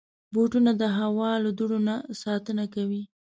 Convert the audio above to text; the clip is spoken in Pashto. بوټونه د هوا له دوړو نه ساتنه کوي.